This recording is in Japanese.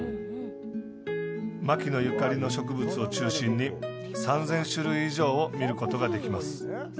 牧野ゆかりの植物を中心に３０００種類以上を見ることができます。